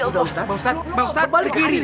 bausat bausat ke kiri